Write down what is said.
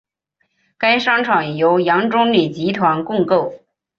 该商场由杨忠礼集团共构。